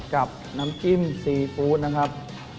กับน้ำจิ้มซีฟู้ดนะครับ